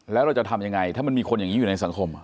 แล้วเราจะทำยังไงถ้ามันมีคนอย่างนี้อยู่ในสังคม